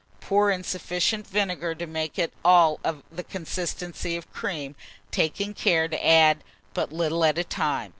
Pour in sufficient vinegar to make it of the consistency of cream, taking care to add but little at a time.